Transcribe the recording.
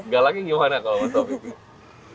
galaknya gimana kalau mas taufik itu